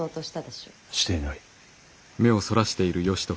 していない。